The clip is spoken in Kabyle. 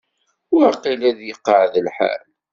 Waqil ad iqeεεed lḥal.